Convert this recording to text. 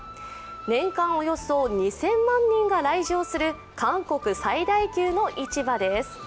年間およそ２０００万人が来場する韓国最大級の市場です。